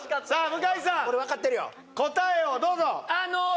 向井さん答えをどうぞ！